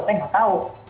saya tidak tahu